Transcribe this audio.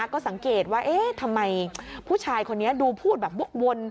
ก็สังเกตว่าเอ๊ะทำไมผู้ชายคนนี้ดูพูดแบบวกวน